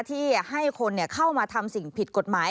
ที่ให้คนเข้ามาทำสิ่งผิดกฎหมาย